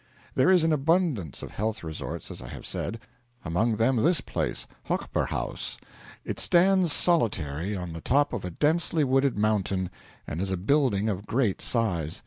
There is an abundance of health resorts, as I have said. Among them this place Hochberghaus. It stands solitary on the top of a densely wooded mountain, and is a building of great size.